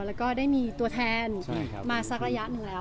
แล้วก็ได้มีตัวแทนมาสักระยะหนึ่งแล้ว